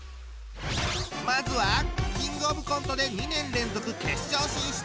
まずは「キングオブコント」で２年連続決勝進出！